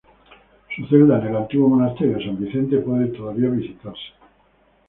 Su celda, en el antiguo Monasterio de San Vicente, puede todavía visitarse.